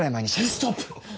ストップ！